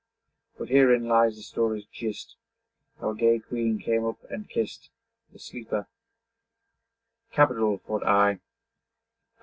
But herein lies the story's gist, How a gay queen came up and kist The sleeper. 'Capital!' thought I.